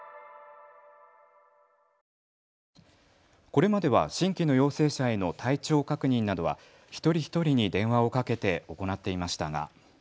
これまでは新規の陽性者への体調確認などは一人一人に電話をかけて行っていましたが。